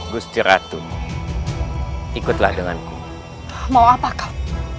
gusti ratu ikutlah denganku mau apakah